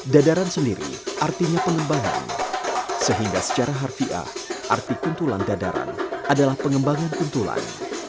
dadaran sendiri artinya pengembangan sehingga secara harfiah arti kuntulan dadaran adalah pengembangan kuntulan